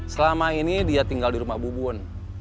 selama ini dia tinggal di rumah bu bun